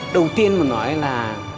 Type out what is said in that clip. đầu tiên mình nói là